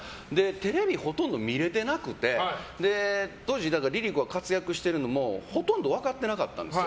テレビほとんど見れてなくて当時ＬｉＬｉＣｏが活躍してるのもほとんど分かってなかったんですよ。